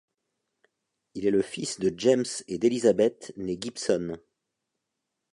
Il est le fils de James et d’Elizabeth née Gibson.